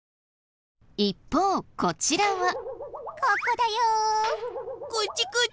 一方こちらは。